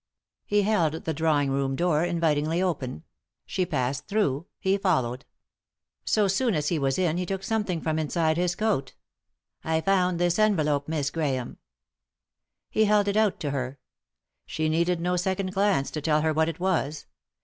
He held the drawing room door invitingly open. She passed through ; he followed. So soon as he was in he took something from inside his coat. " I found this envelope, Miss Grahame." He held it out to her. She needed no second glance to tell her what it was.